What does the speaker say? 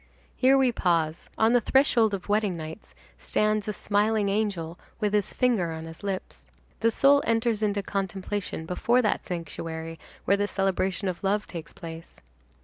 Here we pause. On the threshold of wedding nights stands a smiling angel with his finger on his lips. The soul enters into contemplation before that sanctuary where the celebration of love takes place.